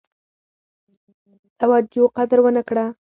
توجه قدر ونه کړه.